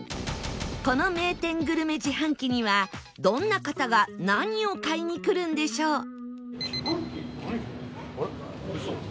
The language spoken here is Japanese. この名店グルメ自販機にはどんな方が何を買いに来るんでしょう？